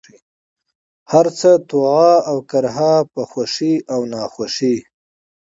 هرڅه، طوعا اوكرها ، په خوښۍ او ناخوښۍ،